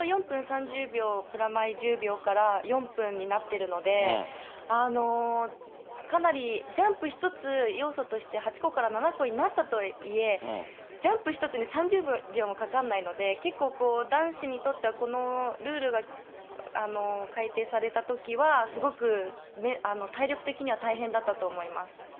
４分３０秒プラマイ１０秒から４分になってるので、かなりジャンプ１つ、要素として８個から７個になったとはいえ、ジャンプ１つに３０秒もかかんないので、結構男子にとってはこのルールが改定されたときは、すごく体力的には大変だったと思います。